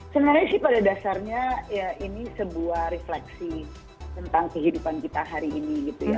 sebenarnya sih pada dasarnya ya ini sebuah refleksi tentang kehidupan kita hari ini gitu ya